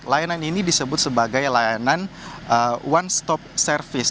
layanan ini disebut sebagai layanan one stop service